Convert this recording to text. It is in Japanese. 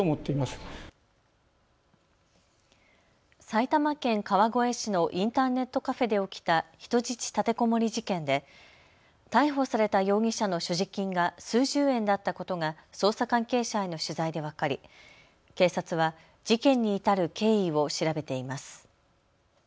埼玉県川越市のインターネットカフェで起きた人質立てこもり事件で逮捕された容疑者の所持金が数十円だったことが捜査関係者への取材で分かり、警察は事件に至る経緯を調べています。